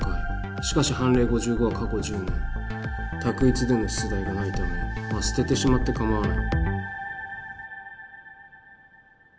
しかし判例５５は過去１０年択一での出題がないためまあ捨ててしまって構わない。